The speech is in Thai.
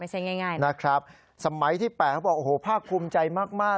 ไม่ใช่ง่ายนะครับสมัยที่๘พ่อคุมใจมาก